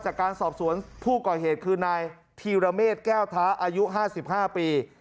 จากการสอบสวนผู้ก่อเหตุคือนายธีรเมษแก้วท้าอายุ๕๕ปี